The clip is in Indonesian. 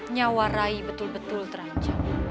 nyawa rai betul betul terancam